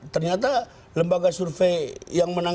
ternyata lembaga survei yang sama itu